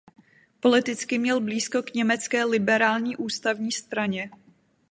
Politicky měl blízko k německé liberální Ústavní straně.